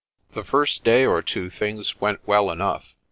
The first day or two things went well enough.